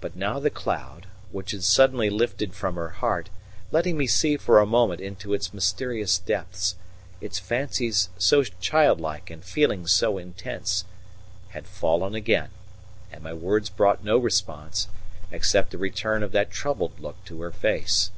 But now the cloud, which had suddenly lifted from her heart, letting me see for a moment into its mysterious depths its fancies so childlike and feelings so intense had fallen again; and my words brought no response, except a return of that troubled look to her face.